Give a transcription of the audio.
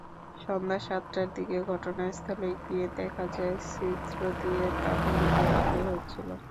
সন্ধ্যা সাতটার দিকে ঘটনাস্থলে গিয়ে দেখা যায়, ছিদ্র দিয়ে তখনো গ্যাস বের হচ্ছিল।